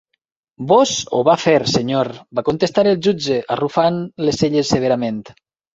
"Vós o va fer, Senyor," va contestar el jutge, arrufant les celles severament.